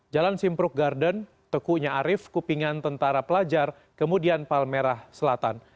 jalan simpruk garden tekunya arif kupingan tentara pelajar kemudian palmerah selatan